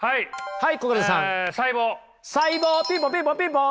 はい。